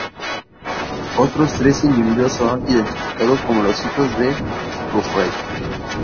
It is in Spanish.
Otros tres individuos son identificables como hijos de Gofraid.